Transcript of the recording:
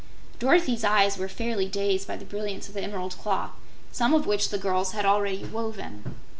Dorothy's eyes were fairly dazed by the brilliance of the emerald cloth, some of which the girls had already woven.